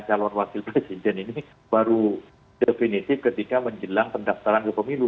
calon wakil presiden ini baru definitif ketika menjelang pendaftaran ke pemilu